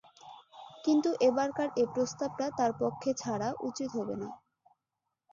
কিন্তু এবারকার এ প্রস্তাবটা তার পক্ষে ছাড়া উচিত হবে না।